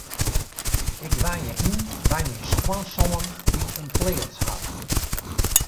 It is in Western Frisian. Ik wenje yn by my skoansoan dy't in pleats hat.